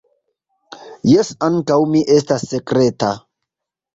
Jes, ankaŭ mi estas sekreta.